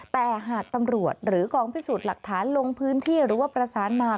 แต่หากตำรวจหรือกองพิสูจน์หลักฐานลงพื้นที่หรือว่าประสานมา